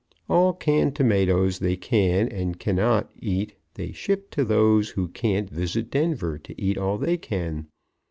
All canned tomatoes they can and cannot eat they ship to those who can't visit Denver to eat all they can.